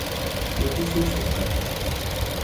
Květy jsou stopkaté.